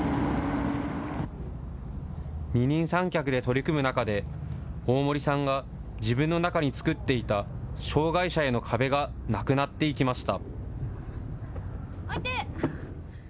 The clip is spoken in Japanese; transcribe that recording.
二人三脚で取り組む中で、大森さんが自分の中に作っていた障害者への壁がなくなっていきました。